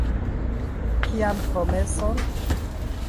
Kian promeson?